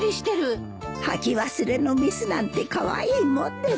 掃き忘れのミスなんてカワイイもんですよ。